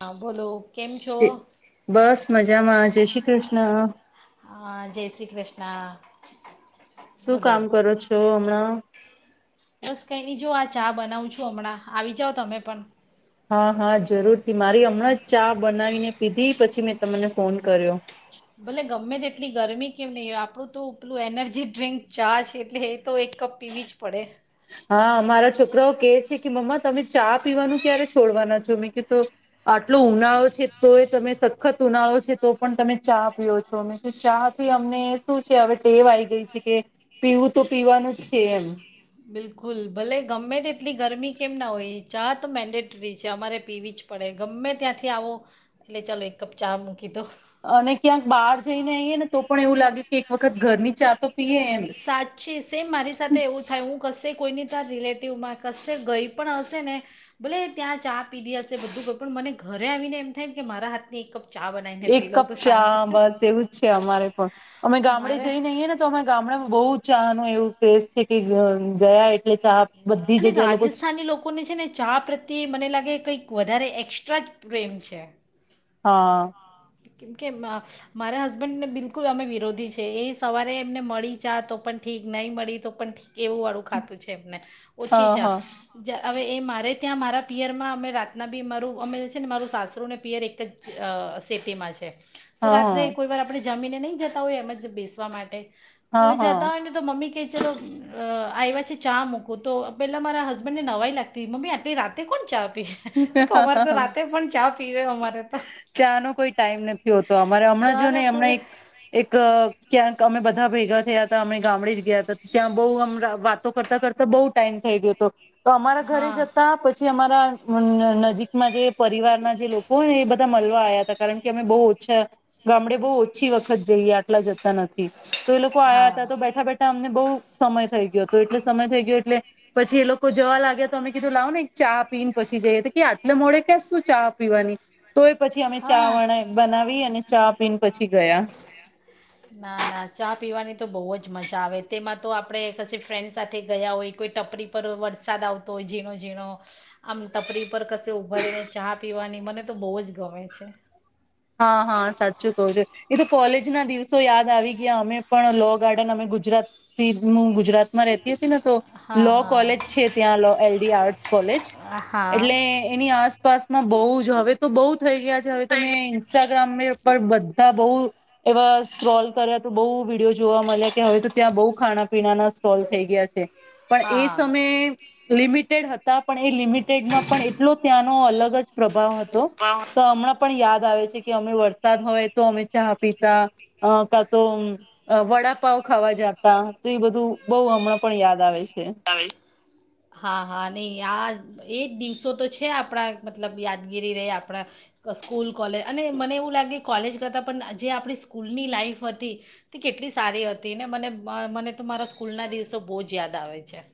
હા બોલો કેમ છો જય બસ મજામાં જય શ્રી કૃષ્ણ હા જય શ્રી કૃષ્ણ શું બોલો કામ કરો છો હમણાં બસ કઈ નહી જો આ ચા બનાવું છું હમણાં આવી જાઓ તમે પણ હા હા જરૂરથી મારી હમણાં જ ચા બનાવીને પીધી પછી મેં તમને ફોન કર્યો એટલી ગરમી કેમ નહીં આપણું તો ઉપલું એનર્જી ડ્રિંક ચા છે એટલે એ તો એક કપ પીવી જ પડે હા મારા છોકરાઓ કેહે છે કે મમ્મા તમે ચા પીવાનું ક્યારે છોડવાના છો મેં કીતો આટલો ઉનાળો છે તો એ તમે સખત ઉનાળો છે તો પણ તમે ચા પીઓ છો અમે તો ચા પી અમને શું છે હવે ટેવ આઈ ગઈ છે કે પીવું તો પીવાનું જ છે એમ બિલકુલ ભલે ગમે તે કેટલી ગરમી કેમ ના હોય ચા તો મેન્ડેટરી છે અમારે પીવી જ પડે ગમે ત્યાંથી આવો એટલે ચાલો એક કપ ચા મૂકી દો અને ક્યાંક બહાર જઈને આઇ ને તો પણ એવું લાગે કે એક વખત ઘરની ચા તો પીએ એમ સાચી સેમ મારી સાથે એવું થાય હું કશે કોઈની તા રિલેટિવમાં કશે ગઈ પણ હશે ને ભલે ત્યાં ચા પીધી હશે બધું તો પણ મને ઘરે આવીને એમ થાય કે મારા હાથની એક કપ ચા બનાવીને એક પી લઉં કપ તો ચા શાંતિ બસ એવું જ છે અમારે પણ અમે ગામડે મારે જઈને અને આઈ ને તો અમે ગામડામાં બહુ ચાનું એવું ક્રેઝ છે કે ગ ગયા એટલે ચા બધી અને જગ્યા લોકો રાજસ્થાની લોકોને છે ને ચા પ્રત્યે મને લાગે કઈક વધારે એક્સ્ટ્રા જ પ્રેમ છે. હા કેમ કે અ મારા હસબન્ડને બિલકુલ અમે વિરોધી છે એ સવારે એમને મળી ચા તો પણ ઠીક નહીં મળી તો પણ ઠીક એવું વાળું ખાતું છે એમને ઓછી હા ચા હા જા અવે એ મારે જ ત્યાં મારા પિયરમાં અમે રાતના બી મારું અમે છે ને મારું સાસરુ ને પિયર એક જ અ સે તેમાં છે. તો હા રાત્રે કોઈ વાર આપણે જામીને નહીં જત જતા હોય એમ જ બેસવા માટે હા અમે જતા હા હોય ને તો મમ્મી કે ચલો અ આ આયવા છે ચા મૂકું તો પહેલાં મારા હસબન્ડને નવાઈ લાગતી મમ્મી આટલી રાતે કોણ ચા મે કવ અમારે હા તો હા રાતે પણ ચા પીરેરે તો ચા નો કોઈ ટાઈમ નથી હોતો અમારે હમણાં જો ચાર કોઈ નેમણાં એક ક્યાંક અમે બધા ભેગા થયા હતા અમે ગામડે જ ગયા હતા ત્યાં બહુ અમ વાતો કરતા કરતા બહુ ટાઈમ થઈ ગયો હતો તો અમારા ઘરે હા જતા પછી અમારા નજીકમાં જે પરિવારના જે લોકો હોય હલવા આવયા હતા કારણ કે અમે બહુ અચ્છા ગામડે બહુ ઓછી વખત જઈએ આટલા જતા નથી. તો એ લોકો આયા હતા હા તો બેઠા બેઠા અમને બઉ સમય થઈ ગયો હતો એટલે સમય થઈ ગયો એટલે પછી એ લોકો જવા લાગ્યા તો અમે કીધું લાવ ને એક ચા પીને પછી જઈએ તો કે આટલે મોડે ક્યાં શું ચા પીવાની તો એ પછી અમે ચા હા વણ બનાવી અને ચા પીન ના ના ચા પીવાની તો બહુ જ મજા મજ આવે તેમાં તો આપણે કશી ફ્રેન્ડ સાથે ગયા હોય કોઈ ટપરી પર વરસાદ આવતો હોય ઝીણો ઝીણો આમ તપરી પર કશે ઊભા રહીને ચા પીવાની મને તો બહુ જ ગમે છે. હા હા સાચું કું છું એ તો કોલેજ ના દિવસો યાદ આવી ગયા અમે પણ લો ગાર્ડન અમે ગુજરાતું ગુજરાતમાં રેહતી તો હા લો હા કોલેજ છે ત્યાં એલડી આર્ટ કોલેજ હા એટલે એની આસપાસ બહુ જ હવે તો બઉુ થઈ ગયા છે. હવે તમે મૈ ્રામ ઉપ બધા બહુ એવા સ્ટોલ કર્યા તો બહુ વિડીયો જોવા મળ્યા કે હવે તો ત્યાં બહુ ખાણા પીણાના સ્ટ્રોલ થઈ ગયા છે. પણ એ હા સમયે લિમિટેડ હતા. પણ એ લિમિટેડ માં પણ એટલો ત્યાં નો અલગ જ પ્રભાવ હતો. તો હમણાં પણ યાદ આવે છે. કે અમે વરસાદ હોય તો અમે ચા પીતા અ કા તો વડાપાઉં ખાવા જતા તો એ બધું બઉ હમણાં પણ યાદ આવે છે. હા હા નહીં આ એજ દિવસો તો છે આપણા મતલબ યાદગીરી રેય આપણા સ્કૂલ, કોલેજ અને મને એવું લાગે કોલેજ કરતાં પણ જે આપણી સ્કૂલની લાઈફ હતી તે કેટલી સારી હતી ને મને મને તો મારા સ્કૂલના દિવસો બહુ જ યાદ આવે. છે.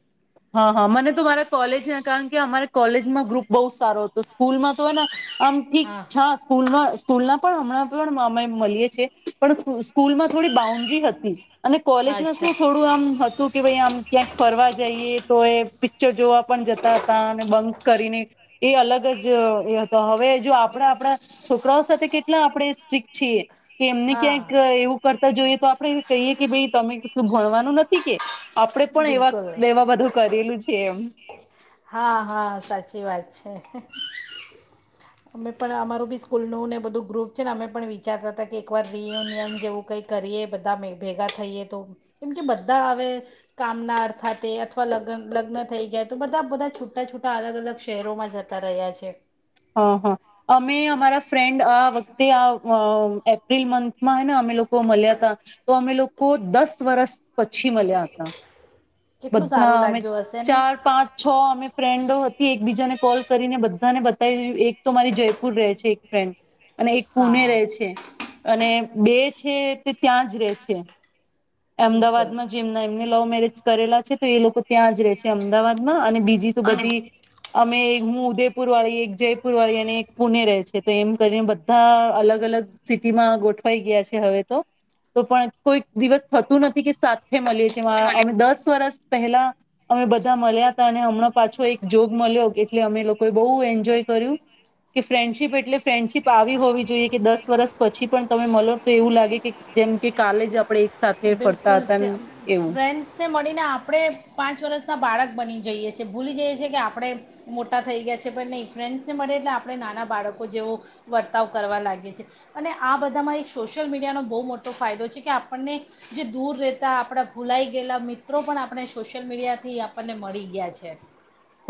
હા હા મને તો મારા કોલેજના કારણ કે અમારે કોલેજમાં ગ્રુપ બહુ સારો હતો સ્કૂલમાં તો હે ને આમ ઠીક હા છા સ્કૂલમાં સ્કૂલના પણ હમણાં પણ અમે મળીએ છીએ પણ સ્કૂલમાં થોડી બાઉન્ડ્રી હતી. અને કોલેજમાં શું અચ્છા થોડું આમ હતું કે ભાઈ આમ ક્યાંક ફરવા જઈએ. પિક્ચર જોવા પણ જતા હતા અને બંક કરીને એ અલગ જ એ હતો હવે જો આપણા આપણા છોકરાઓ સાથે કેટલા આપણે સ્ટ્રિક છીએ. કે એમને હા ક્યાંક એવું કરતા જોઈએ તો આપણે કહીએ કે ભાઈ તમે શું ભણવાનું નથી કે? આપણે પણ એવા બિલકુલ એવા બધું છે એમ. હા હા સાચી વાત છે અમે પણ અમારું બી સ્કૂલનું ને બધું ગ્રુપ છે ને અમે પણ વિચારતા હતા કે એકવાર રિયુનિયન જેવું કઈ કરીએ બધા ભેગા થઈએ તો કેમ કે બધા હવે કામના અર્થાતે અથવા લગન લગ્ન થઈ ગયા તો બધા બધા છૂટા-છૂટા અલગ-અલગ શહેરોમાં જતા રહ્યા છે. હા હા અમે અમારા ફ્રેન્ડ આ વખ વતે આ એપ્રિલ મંથમાં હે ને અમે લોકો મળ્યા હતા તો અમે લોકો દસ વર્ષ પછી મલયા હતા. કેટલું બધા સારું અમે લાગ્યું હશે ને ચાર પાંચ છ અમે ફ્રેન્ડો હ એકબીજાને કોલ કરીને બધાને બતાવી એક તો મારી જયપુર રહે છે એક ફ્રેન્ડ અને એક પુણે હા રહે છે અને બે છે તે ત્યાં જ રે છે. બિલકુલ અમદાવાદમાં જેમના એમની લવ મેરેજ કરેલા છે તો એ લોકો ત્યાં જ રહે છે અમદાવાદમાં અને બીજી તો બધી અમે હું ઉદયપુર વાળી એક જયપુર વાળી અને એક પુણે રેય છે તો એમ કરીને બધા અલગ-અલગ સિટીમાં ગોઠવાઈ ગયા છે હવે તો તો પણ કોઈક દિવસ થતું નથી કે સાત થે મલીએ છીએ મા અમે દસ વર્ષ પહેલા અમે બધા મલયા અને હમણાં પાછો એક જોગ મળ્યો એટલે અમે લોકોએ બહુ એન્જોય કર્યું કે ફ્રેન્ડશીપ એટલે ફ્રેન્ડશીપ આવી હોવી જોઈએ કે દસ વર્ષ પછી પણ તમે મલો તો એવું લાગે કે જેમ કે કાલે જ આપણે એક સાથે ફરતા બિલકુલ, હતા એવું. ફ્રેન્ડ્સને મળીને આપણે પાંચ વર્ષના બાળક બની જઈએ છીએ ભૂલી જઈએ છીએ કે આપણે મોટા થઈ ગયા છે પણ નહીં ફ્રેન્ડસને મળીએ એટલે આપણે નાના બાળકો જેવો વર્તાવ કરવા લાગે છે અને આ બધામાં એક સોશિયલ મીડિયાનો બહુ મોટો ફાયદો છે કે આપણને જે દૂર રહેતા આપણા ભૂલાઈ ગયેલા મિત્રો પણ આપણે સોશિયલ મીડિયા થી આપણને મળી ગયા છે.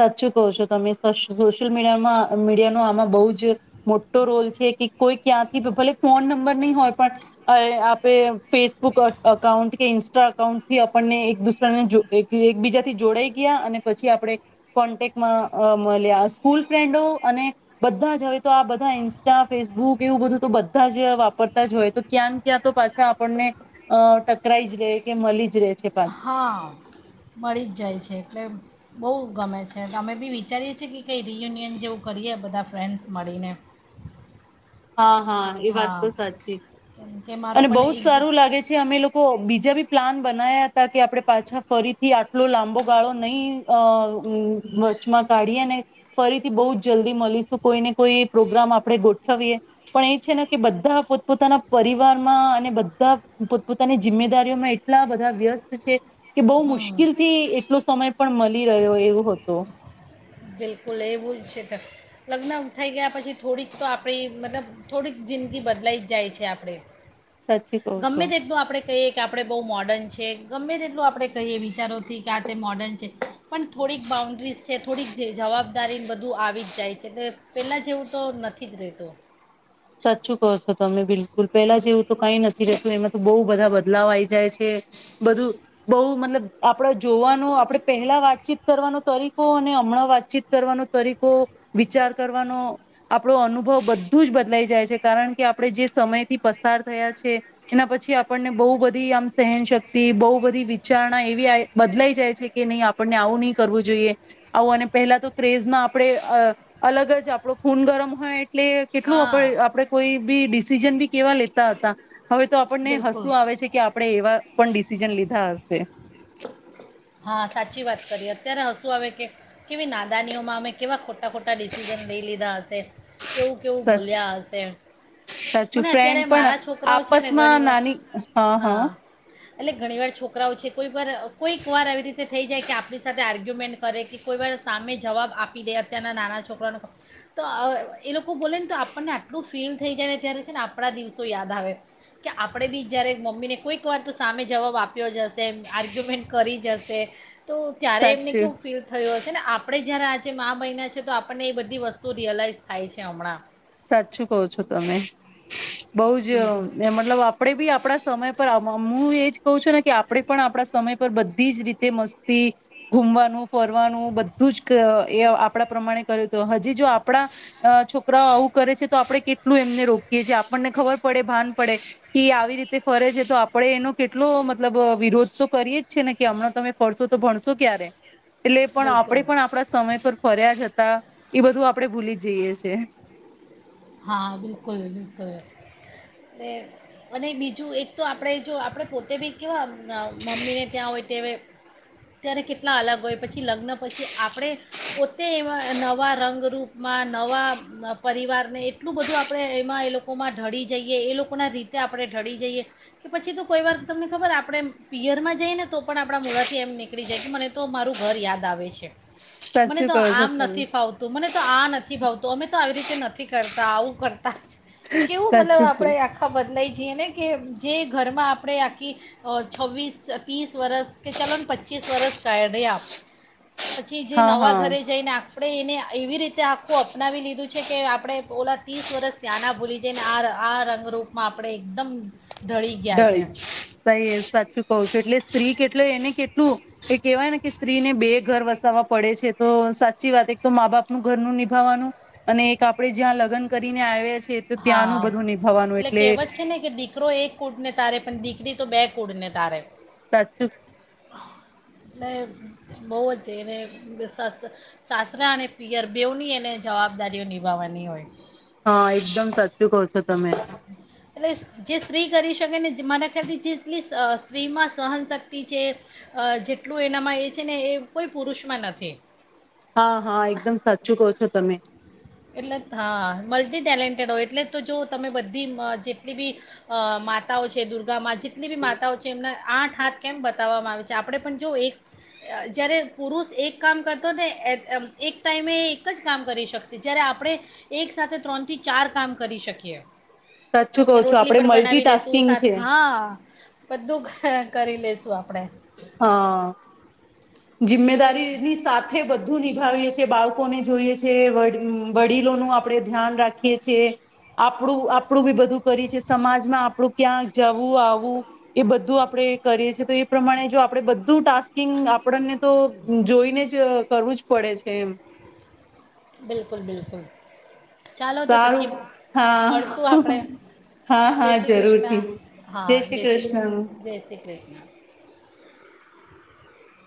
સાચ્છું કહો છો તમે સોશિયલ મીડિયામાં મીડિયાનોો આમાં બહુ જ મોટો રોલ છે કે કોઈ ક્યાંથી ભલે ફોન નંબર નહી હોય પણ આપણે ફેસબુક અકાઉન્ટ કે ઈન્સ્ટા અકાઉન્ટ થી આપણને એક દુસરાને એકબીજાથી જોડાઈ ગયા અને પછી આપણે કોન્ટેકમાં મળ્યા સ્કૂલ ફ્રેન્ડો અને બધા જ હવે તો આ બધા ઇન્સ્ટા ફેસબુક એવું બધું તો બધા જ વાપરતા જ હોય તો ક્યાં ક્યાં તો પાછા આપણને અ ટકરાઈ જ રહે કે મળી જ રહે છે. પાછા હા મળી જ જાય છે એટલે બહુ ગમે છે અમે બી વિચારીએ છીએ કે કંઈ રિયુનિયન જેવું કરીએ બધા ફ્રેન્ડ્સ મળીને. હા હા એ વાત હા તો સાચી કેમ કે મારો અને બહુ જ પણ એક સારું લાગે છે અમે લોકો બીજા બી પ્લાન બના્યા હતા કે આપડણે પાછા ફરીથી આટલો લાંબો ગાળો નહીં વચમાં કાઢીએ ને ફરીથી બહુ જ જલ્દી મળીશું કોઈ ને કોઈ પ્રોગ્રામ આપણે ગોઠવીએ. પણ એ છે ને કે બધા પોતપોતાના પરિવારમાં અને બધા પોતપોતાની જિમ્મેદારીઓમાં એટલા બધા વ્યસ્ત છે કે બહુ હમ મુશ્કેલ થી એટલો સમય પણ મળી રહ્યો એવો હતો બિલકુલ એવું છે લગ્ન થઈ ગયા પછી થોડીક તો આપણી મતલબ થોડીક જિંદગી બદલાઈ જ જાય છે આપણે સાચી કહું છો. ગમે તે એક તો આપણે કહીએ કે આપણે બહુ મોર્ડર્ન છે. ગમે તેટલું આપણે કહીએ વિચારોથી કે આ તે મોડર્ન છે. પણ થોડીક બાઉન્ડ્રીસ છે થોડીક જવાબદારીને બધું આવી જ જાય છે એટલે પહેલાં જેવું તો નથી જ રહેતું. લ પેલા જેવું તો કઈ નથીતું એમાં તો બહ બધા બદલાવ આવી જાય છે બધું બહ મતલબ આપડ જોવાનું આપણેે પહેલા વાતચીત કરવાનું તરીકો અને હમણાં વાતચીત કરવાનો તરીકો વિચાર કરવાનો આપણો અનુભવ બધું જ બ બદલાઈ જાય છે કારણ કે આપણે જે સમયથી પસાર થયા છે એના પછી આપણને બહુ બધી આમ સહનશક્તિ બહુ બધી વિચારણા એવી બદલાઈ જાય છે કે નહી આપણને આવું નહીં કરવું જોઈએ આવું અને પહેલા તો ક્રેઝમાં આપણે અલગ જ આપણો ખૂન ગરમ હોય એટલે કેટલું હા આપડે કોઈ બી ડિસિઝન બી કેવા લેતા હતા. હવે તો આપણને બિલકુલ હસું આવે છે કે આપણે એવા પણ ડિસિઝન લીધા હશે. હા સાચી વાત કરીએ અત્યારે હશું આવે કે કેવી નાદાનીઓમાં અમે કેવા ખોટા ખોટા ખોટા ડિસિઝન લઈ લીધા હશે કેવું કેવું સચ બોલ્યા હશે મને સાચું અત્યારે ફ્રેન્ડ પણ મારા છોકરાઓ છે ને ઘણી આપસમાં વાર નાની હા એટલે ઘણી વાર છોકરાઓ છે કોઈ બાર કોઈક એવી રીતે થઈ જાય કે આપણી સાથે આર્ગ્યુમેન્ટ કરે કે કોઈ વાર સામે જવાબ આપી દે અત્યારના નાના છોકરાનો તો એ લોકો બોલે ને તો આપણને આટલું ફીલ થઈ જાય ને ત્યારે છે ને આપણા દિવસો યાદ આવે કે આપણે બી જ્યારે મમ્મીને કોઈક વાર તો સામે જવાબ આપ્યો જ હશે આર્ગ્યુમેન્ટ કરી જશે તો ત્યારે એમને સાચું કેવું ફીલ થયયો હશે ને આપણે જય્યારે આ મા મહિના છે તો આપણને એ બધી વસ્તુ રિયલાઈઝ થાય છે હમણાં. સાચું કો છો તમે. બઉ જ બિલકુલ ને મતલબ આપણે બી આપણા સમય પર મુ એજ કહું છું ને કે આપણે પણ આપણા સમય પર બધી જ રીતે મસ્તી ઘુમવાનું ફરવાનું બધું જ એ આપણા પ્રમાણે કર્યું હતું હજી જો આપણા અ છોકરાઓ આવું કરે છે તો આપડણે કેટલું એમને રોકીએ છીએ આપણને ખબર પડે ભાન પડે કે આવી રીતે ફરે છે તો આપડે એનો કેટલો મતલબ વિરોધ તો કરીએે જ છે ને કે હમણાં તમે ફરશો તો ભણશો ક્યારે એટલે પણ બિલકુલ આપણેે પણ આપણા સમય પર ફર્યા જ હતા એ બધું આપડે ભૂલી જઈએ છે હા બિલકુલ બિલકુલ અને બીજું એક તો આપણે જો આપણે પોતે બી કેવા મમ્મીને ત્યાં હોય તે ત્યારે કેટલા અલગ હોય પછી લગ્ન પછી આપણે પોતે એવા નવા રંગરૂપમાં નવા પરિવારને એટલું બધું આપણે એમાં એ લોકોમાં ઢળી જઈએ એ લોકોના રીતે આપણે ઢળી જઈએ કે પછી તો કોઈ વાર તમને ખબર આપણે પિયરમાં જઈએ ને તો પણ આપણા મૂળાથી એમ નીકળી જાય કે મને તો મારું ઘર યાદ આવે છે મને સાચું તો કહો છો આમ તમે નથી ફાવતું મને તો આ નથી ભાવતું અમે તો આવી રીતે નથી કરતા તા આવું કર તા કેવું મતલબ સાચું કહું. આપણેે આખા બદલાઈ જે ને કે જે ઘરમાં આપણે આખી છવ્વીસ ત્રીસ વરસ કે ચાલો ને પચીસ વરસ કાઢ્યા પછી જે હા નવા હા ઘરે જઈને આપણેે એને એવી રીત તે આપોપ અપનાવી લીધું છે કે આપણે ઓલા ત્રીસ વરસ ત્યાંના ભૂલી જઈને આ આ રંગરૂપમાં આપણે એકદમ ઢળી ગયા છે દહીંજ તય જ સાચું કહું છું એટલે સ્ત્રી કેટલ એને કેટલું એ કહેવાય ને કે સ્ત્રીને બે ઘર વસાવવા પડે છે તો સાચી વાત એક તો મા બાપનું ઘરનું નિભાવવાનું અને એક આપણેે જ્યાં લગ્ન કરીને આવ્યા છે હા એટલે કેવત છે ને કે દીકરો એક કૂટને તારે પણ દીકરી તો બેગ કુળને તારે સાચી ને બહુ જ એને સ સાસરા અને પિયર બેવની એને જવાબદારીઓ નિ હા એકદમ સાચ કહો છો તમે એટલે જે સ્ત્રી કરી શકે ને મારા ખ્યાથી જેટલી સ્ત્રીમાં સહનશક્તિ છે અ જેટલું એનામાં એ છે ને એ કોઈ પુરુષમાં નથી હા હા એકદમ સાચું કહો છો તમે એટલે હા મલ્ટી ટેલેન્ટેડ હોય એટલે તો જો તમે બધી જેટલી બી અ માતાઓ છે દુર્ગા ગામાં જેટલી બી માતાઓ છે એમને આઠ હાથ કેમ બતાવવામાં આવે છે આપણે પણ જો એક અ જ્યારે પુરુષ એક કામ કરતો હોય ને એ એક ટાઈમે એક જ કામ કરી શકશે જયારે આપણે એક સાથે ત્રણ થી ચાર કામ કરી શકીએ સાચું કહો કે છો રોટલી આપડે પણ બનાવી લેશું મલ્ટીટાસ્કિંગ છે સાથે હા બધું કરી લેશું આપ હા ને જિમ્મેદારી ની સાથે બધું નિભાવીએ છીએ બાળ કો ને જોઈએ છે વડીલોનું આપણે ધ્યાન રાખીએ છે આપણું આપણું બી બધું કરી છ સમાજમાં આપણું ક્યાં જવું આવું એ બધું આપણેે કરીએ છેએ તોએ પ્રમાણે જો આપણે બધું ટાસ્ક કિંગ આપણને તો જોઈને જ કરવું જ પડે છે એમ બિલકુલ બિલકુલ. ચાલો તો સારું પછી મળશું હા આપણે હા જય હા શ્રી કૃષ્ણ, જરૂરથી હા જય શ્રી કૃષ્ણ, જય શ્રી કૃષ્ણ.